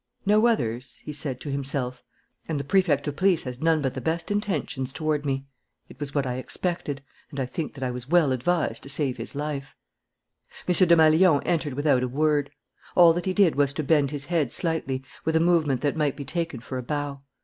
"No others?" he said to himself. "Come, we have nothing to fear, and the Prefect of Police has none but the best intentions toward me. It was what I expected; and I think that I was well advised to save his life." M. Desmalions entered without a word. All that he did was to bend his head slightly, with a movement that might be taken for a bow.